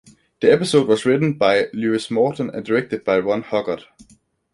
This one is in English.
The episode was written by Lewis Morton and directed by Ron Hughart.